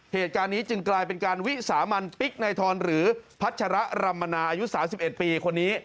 เหตุการณ์นี้จึงกลายเป็นการวิสามันปิ๊กในทรหรือพัชระรำมนาอายุ๓๑ปีคนนี้